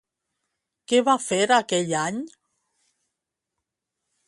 Què va fer aquell any?